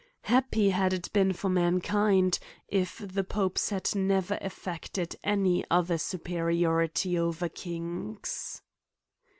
Happy had it been for mankind/ if tRe popes had never affected any other superiority over kings.